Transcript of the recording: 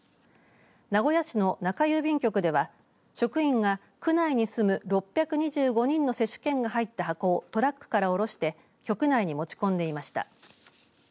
名古屋市の中郵便局では職員が区内に住む６２５人の接種券が入った箱をトラックから降ろして局内に持ち込んでいました。